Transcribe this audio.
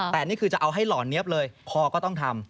แต่นี่คือจะเอาให้หล่อเนี๊ยบเลยคอก็ต้องทำ